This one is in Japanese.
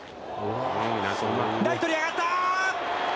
ライトに上がった！